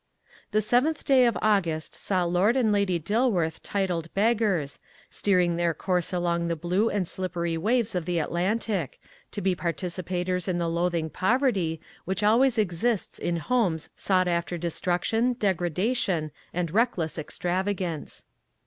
The seventh day of August saw Lord and Lady Dilworth titled beggars, steering their course along the blue and slippery waves of the Atlantic, to be participators in the loathing poverty which always exists in homes sought after destruction, degradation, and reckless extravagance.